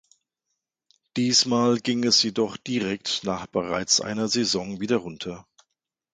Diesmal ging es jedoch direkt nach bereits einer Saison wieder runter.